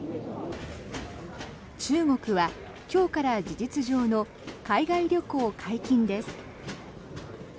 中国は今日から事実上の海外旅行解禁です。